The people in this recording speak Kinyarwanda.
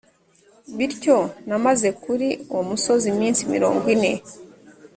bityo, namaze kuri uwo musozi iminsi mirongo ine